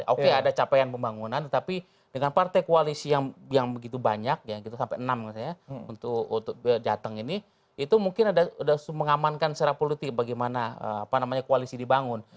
oke ada capaian pembangunan tetapi dengan partai koalisi yang begitu banyak ya gitu sampai enam untuk jateng ini itu mungkin ada mengamankan secara politik bagaimana koalisi dibangun